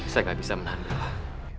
saya gak bisa menandatangani